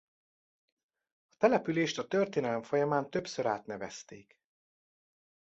A települést a történelem folyamán többször átnevezték.